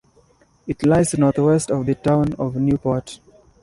It lies north-west of the town of Newport.